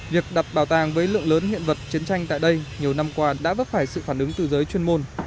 việc đặt bảo tàng với lượng lớn hiện vật chiến tranh tại đây nhiều năm qua đã vấp phải sự phản ứng từ giới chuyên môn